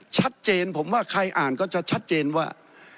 ชัดเจนผมว่าใครอ่านก็จะชัดเจนว่า